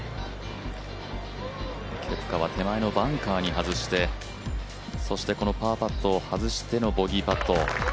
ケプカは手前のバンカーに外してそしてこのパーパットを外してのボギーパット。